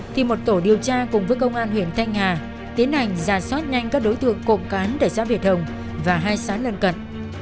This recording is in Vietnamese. thì một tổ điều tra cùng với công an huyện thanh hà tiến hành giả soát nhanh các đối tượng cổ cán đẩy ra việt hồng và hai xã lân cận